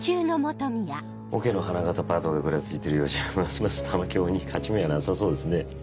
オケの花形パートがぐらついてるようじゃますます玉響に勝ち目はなさそうですね。